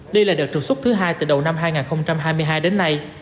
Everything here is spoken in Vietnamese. đây là đợt trục xuất thứ hai từ đầu năm hai nghìn hai mươi hai đến nay